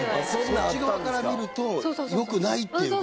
そっち側から見ると良くないっていう事なんだよね？